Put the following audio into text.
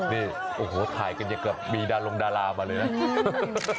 นี่อันถ่ายกันอย่างกลับมีน้องดารามั่นเลยนะ